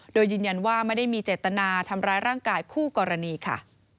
โดยยืนยันว่าไม่ได้มีเจตนาทำร้ายร่างกายคู่กรณีค่ะ